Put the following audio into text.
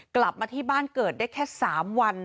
กลับมาที่บ้านเกิดได้แค่๓วัน